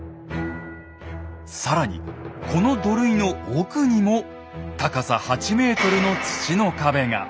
更にこの土塁の奥にも高さ８ｍの土の壁が！